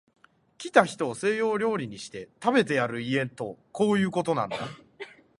来た人を西洋料理にして、食べてやる家とこういうことなんだ